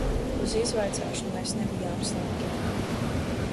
Uz izvaicāšanu mēs nebijām slinki.